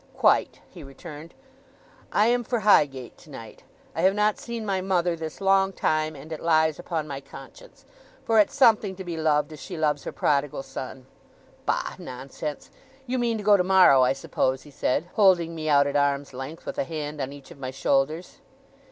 'Quite,' he returned. 'I am for Highgate tonight. I have not seen my mother this long time, and it lies upon my conscience, for it's something to be loved as she loves her prodigal son. Bah! Nonsense! You mean to go tomorrow, I suppose?' he said, holding me out at arm's length, with a hand on each of my shoulders.